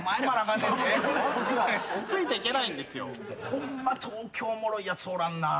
ホンマ東京おもろいやつおらんなぁ。